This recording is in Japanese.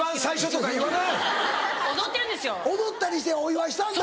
踊ったりしてお祝いしたんだ。